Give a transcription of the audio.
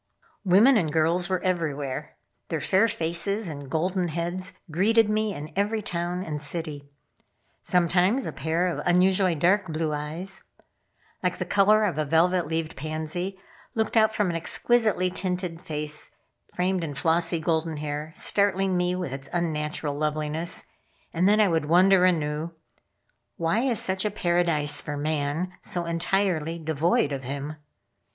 Women and girls were everywhere. Their fair faces and golden heads greeted me in every town and city. Sometimes a pair of unusually dark blue eyes, like the color of a velvet leaved pansy, looked out from an exquisitely tinted face framed in flossy golden hair, startling me with its unnatural loveliness, and then I would wonder anew: "Why is such a paradise for man so entirely devoid of him?"